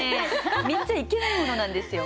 見ちゃいけないものなんですよ。